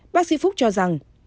bác sĩ phúc cho rằng